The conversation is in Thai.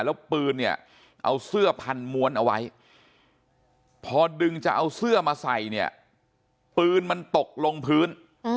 แล้วปืนเนี่ยเอาเสื้อพันม้วนเอาไว้พอดึงจะเอาเสื้อมาใส่เนี่ยปืนมันตกลงพื้น